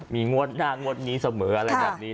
มีงวดนางงวดนี้เสมออะแหละอย่างนี้